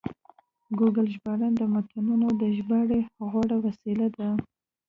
ګوګل ژباړن د متنونو د ژباړې غوره وسیله ده.